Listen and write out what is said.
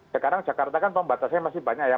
sekarang jakarta kan pembatasannya masih banyak ya